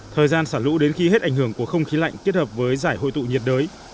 thời gian xả lũ đến khi hết ảnh hưởng của không khí lạnh kết hợp với giải hội tụ nhiệt đới